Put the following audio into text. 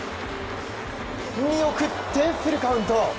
見送ってフルカウント。